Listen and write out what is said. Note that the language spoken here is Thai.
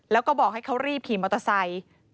แล้วก็บอกให้เขารีบขี่มอเตอร์ไซค์